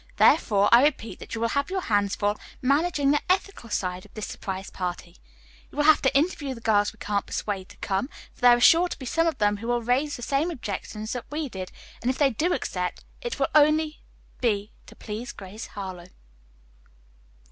Therefore I repeat that you will have your hands full managing the ethical side of this surprise party. You will have to interview the girls we can't persuade to come, for there are sure to be some of them who will raise the same objections that we did, and if they do accept, it will be only to please Grace Harlowe."